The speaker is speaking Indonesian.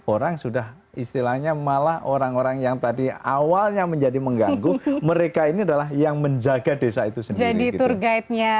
orang sudah istilahnya malah orang orang yang tadi awalnya menjadi mengganggu mereka ini adalah yang menjaga desa itu sendiri